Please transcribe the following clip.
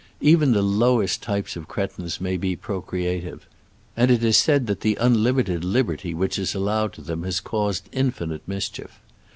Even the lowest types of cretins may be procreative, and it is said that the unlimited liberty which is allowed to them has caused infinite mischief.